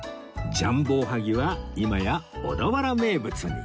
ジャンボおはぎは今や小田原名物に